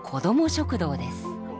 食堂です。